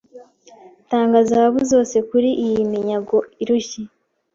Tanga zahabu zose kuriyi minyago irushye